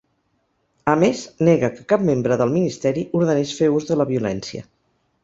A més, nega que cap membre del ministeri ordenés fer ús de la violència.